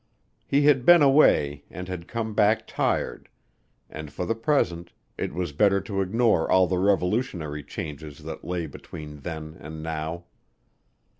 He had been away and had come back tired, and for the present, it was better to ignore all the revolutionary changes that lay between then and now.